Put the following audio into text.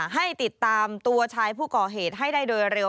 ให้ติดตามตัวชายผู้ก่อเหตุให้ได้โดยเร็ว